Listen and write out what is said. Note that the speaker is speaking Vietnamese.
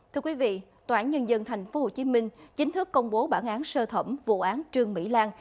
thưa quý vị tòa án nhân dân tp hcm chính thức công bố bản án sơ thẩm vụ án trương mỹ lan